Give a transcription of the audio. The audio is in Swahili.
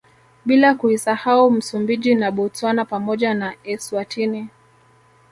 Bila kuisahau Msumbiji na Botswana pamoja na Eswatini